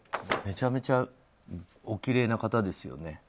めちゃくちゃおきれいな方ですよね。